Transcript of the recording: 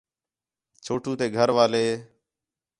چھوٹو تے گھر والے